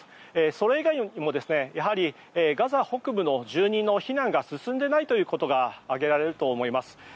それ以外にも、やはりガザ北部の住民の避難が進んでいないということが挙げられると思います。